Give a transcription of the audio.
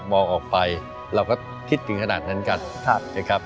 มองออกไปเราก็คิดถึงขนาดนั้นกันนะครับ